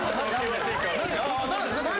何？